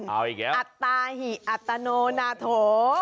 เอาอีกแล้วอัตตาหิอัตโนนาโถ